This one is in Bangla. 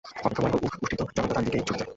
অপেক্ষমাণ উষ্ঠিত জনতা তার দিকে ছুটে যায়।